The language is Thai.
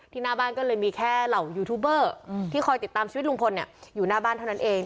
หน้าบ้านก็เลยมีแค่เหล่ายูทูบเบอร์ที่คอยติดตามชีวิตลุงพลอยู่หน้าบ้านเท่านั้นเอง